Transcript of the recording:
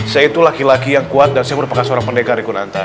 saya itu laki laki yang kuat dan saya merupakan seorang pendekar ikunanta